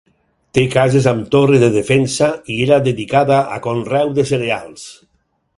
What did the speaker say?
Té cases amb torre de defensa i era dedicada a conreu de cereals.